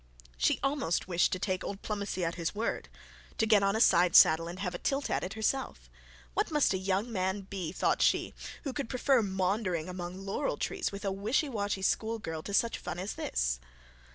She almost wished to take old Plomacy at his word, to go on a side saddle, and have a tilt at it herself. What must a young man be, thought she, who could prefer maundering among the trees with a wishy washy school girl to such fun as this?